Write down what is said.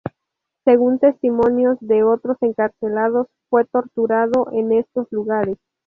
Según testimonios de otros encarcelados, fue torturado en estos lugares.